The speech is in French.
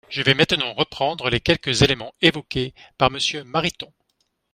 Je vais maintenant reprendre les quelques éléments évoqués par Monsieur Mariton.